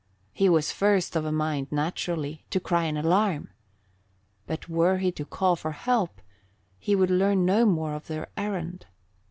He was first of a mind, naturally, to cry an alarm; but were he to call for help, he would learn no more of their errand.